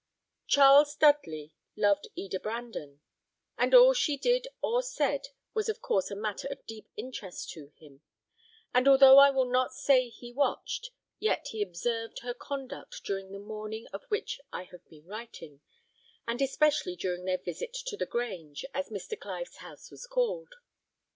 Charles Dudley loved Eda Brandon, and all she did or said was of course a matter of deep interest to him; and although I will not say he watched, yet he observed her conduct during the morning of which I have been writing, and especially during their visit to the Grange, as Mr. Clive's house was called.